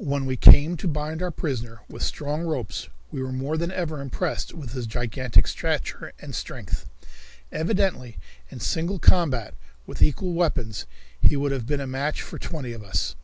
When we came to bind our prisoner with strong ropes we were more than ever impressed with his gigantic stature and strength. Evidently in single combat with equal weapons he would have been a match for twenty of us.